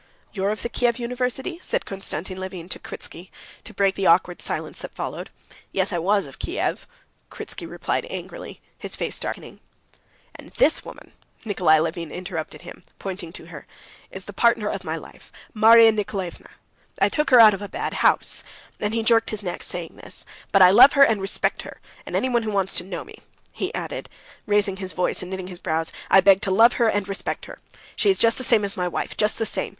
"You're of the Kiev university?" said Konstantin Levin to Kritsky, to break the awkward silence that followed. "Yes, I was of Kiev," Kritsky replied angrily, his face darkening. "And this woman," Nikolay Levin interrupted him, pointing to her, "is the partner of my life, Marya Nikolaevna. I took her out of a bad house," and he jerked his neck saying this; "but I love her and respect her, and anyone who wants to know me," he added, raising his voice and knitting his brows, "I beg to love her and respect her. She's just the same as my wife, just the same.